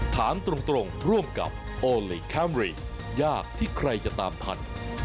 ถามตรงร่วมกับโอลี่คัมรี่ยากที่ใครจะตามทัน